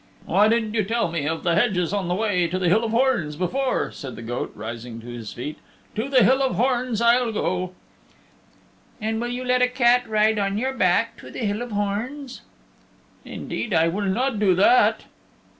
"Why didn't you tell me of the hedges on the way to the Hill of Horns before?" said the goat, rising to his feet. "To the Hill of Horns I'll go." "And will you let a cat ride on your back to the Hill of Horns?" "Indeed, I will not do that."